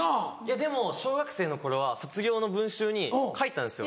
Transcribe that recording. でも小学生の頃は卒業の文集に書いたんですよ